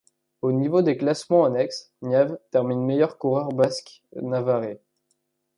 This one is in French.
Au niveau des classements annexes, Nieve termine meilleur coureur basque-navarrais.